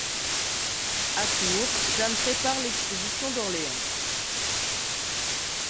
À Tours, Jeanne prépare l'expédition d'Orléans.